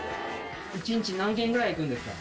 一日何軒くらい行くんですか？